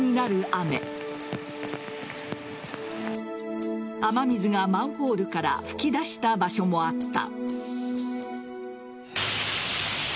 雨水がマンホールから噴き出した場所もあった。